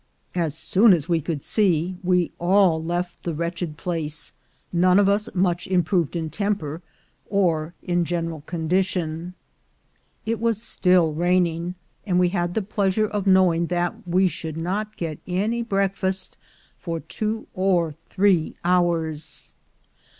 As soon as we could see, we all left the wretched place, none of us much im proved in temper, or in general condition. It was still raining, and we had the pleasure of knowing that we should not get any breakfast for two or three hours.